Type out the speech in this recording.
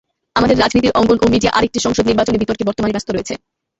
আমাদের রাজনীতির অঙ্গন ও মিডিয়া আরেকটি সংসদ নির্বাচনের বিতর্কে বর্তমানে ব্যস্ত রয়েছে।